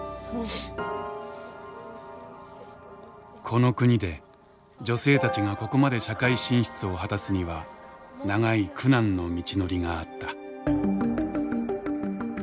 この国で女性たちがここまで社会進出を果たすには長い苦難の道のりがあった。